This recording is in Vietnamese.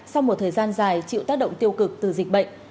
sau một thời gian dài chịu tác động tiêu cực từ dịch bệnh